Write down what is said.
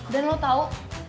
dan lo tau